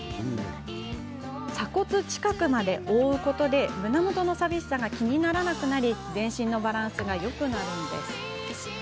鎖骨近くまで覆うことで胸元の寂しさが気にならなくなり全身のバランスがよくなるんです。